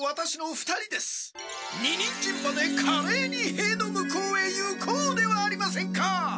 二人人馬でかれいに塀の向こうへ行こうではありませんか！